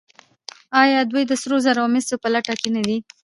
آیا دوی د سرو زرو او مسو په لټه نه دي؟